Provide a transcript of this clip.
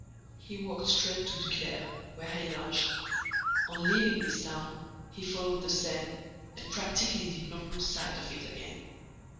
He walked straight to Duclair, where he lunched. On leaving this town, he followed the Seine and practically did not lose sight of it again.